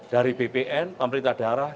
dari bpn pemerintah darah